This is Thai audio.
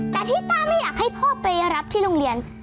แต่ที่ตาไม่อยากให้พ่อไปรับที่โรงเรียน